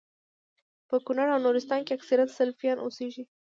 په کونړ او نورستان کي اکثريت سلفيان اوسيږي